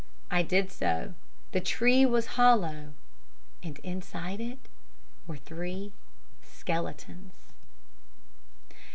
I did so. The tree was hollow, and inside it were three skeletons!